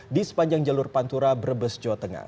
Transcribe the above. di sepanjang jalur pantura brebes jawa tengah